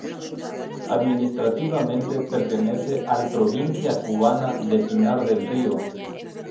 Administrativamente pertenece al provincia cubana de Pinar del Río.